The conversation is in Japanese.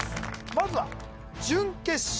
まずは準決勝